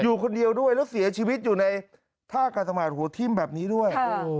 อยู่คนเดียวด้วยแล้วเสียชีวิตอยู่ในท่ากาศมาดหัวทิ่มแบบนี้ด้วย